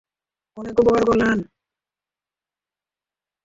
অনেক উপকার করলেন।